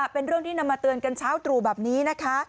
เป็นเรื่องที่นำมาเตือนกันเช้าตรู่แบบนี้นะคะ